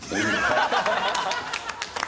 ハハハハ！